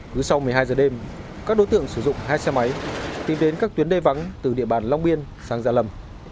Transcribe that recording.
cứ sau một mươi hai giờ đêm các đối tượng sử dụng hai xe máy tìm đến các tuyến đê vắng từ địa bàn long biên sang gia lâm